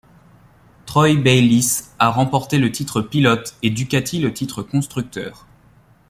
Troy Bayliss a remporté le titre pilote et Ducati le titre constructeur.